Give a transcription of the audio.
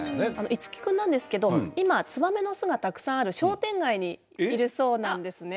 樹くんなんですけど今ツバメの巣がたくさんある商店街にいるそうなんですね。